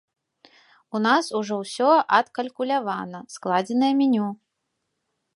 У нас ужо усё адкалькулявана, складзенае меню.